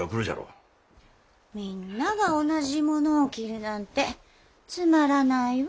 みんなが同じものを着るなんてつまらないわ。